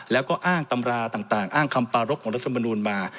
แล้วก็อ้างตำราต่างอ้างคำปารพของรัฐมนูลมา